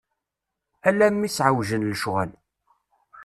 Ala mi s-εewjen lecɣal.